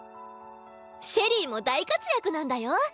シェリイも大活躍なんだよ